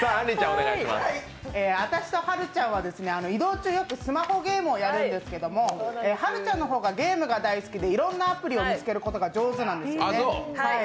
私とはるちゃんは移動中、よくスマホゲームをやるんですけどはるちゃんの方がゲームが大好きでいろんなアプリを見つけることが上手なんですよね。